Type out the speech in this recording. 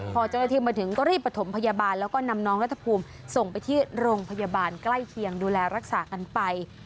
พอเจ้าหน้าที่มาถึงก็รีบประถมพยาบาลแล้วก็นำน้องรัฐภูมิส่งไปที่โรงพยาบาลใกล้เคียงดูแลรักษากันไป